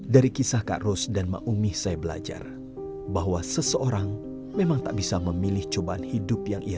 dari kisah kak ros dan maumi saya belajar bahwa seseorang memang tak bisa memilih cobaan hidup yang ia